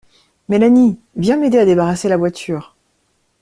Mélanie, viens m’aider à débarrasser la voiture!